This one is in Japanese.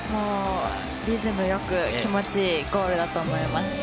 リズムよく、気持ちいいゴールだと思います。